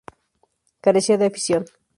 Carecía de afición.